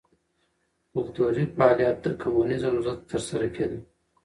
کلتوري فعالیت د کمونېزم ضد ترسره کېده.